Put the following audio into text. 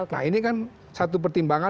nah ini kan satu pertimbangan